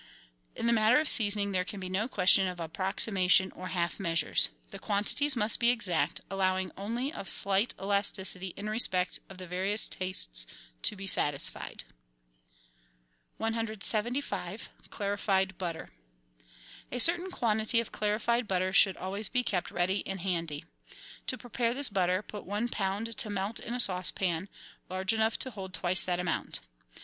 In the matter of seasoning there can be no question of approximation or half measures; the quantities must be exact, allowing only of slight elasticity in respect of the various tastes to be satisfied. 175— CLARIFIED BUTTER A certain quantity of clarified butter should always be kept ready and handy. To prepare this butter, put one lb. to melt in a saucepan large enough to hold twice that amount.